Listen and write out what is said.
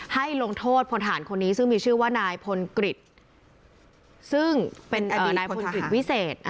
ให้ลงโทษพลฐานคนนี้ซึ่งมีชื่อว่านายพลกฤษซึ่งเป็นนายพลกฤษวิเศษ